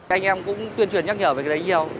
anh em cũng tuyên truyền nhắc nhở về cái đấy nhiều